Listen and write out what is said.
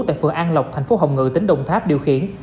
tại phường an lộc thành phố hồng ngự tỉnh đồng tháp điều khiển